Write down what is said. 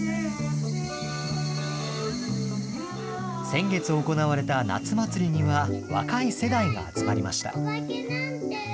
先月行われた夏祭りには、若い世代が集まりました。